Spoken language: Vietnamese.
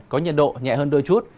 có nhiệt độ nhẹ hơn đôi chút